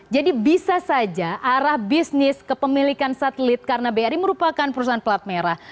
jadi bisa saja arah bisnis kepemilikan satelit karena bri merupakan perusahaan plat merah